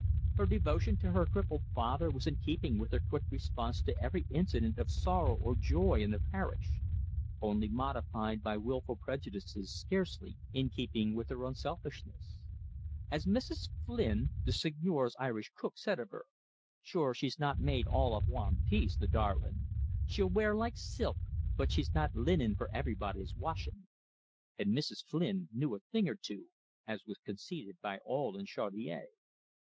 Her devotion to her crippled father was in keeping with her quick response to every incident of sorrow or joy in the parish only modified by wilful prejudices scarcely in keeping with her unselfishness. As Mrs. Flynn, the Seigneur's Irish cook, said of her: "Shure, she's not made all av wan piece, the darlin'! She'll wear like silk, but she's not linen for everybody's washin'." And Mrs. Flynn knew a thing or two, as was conceded by all in Chaudiere.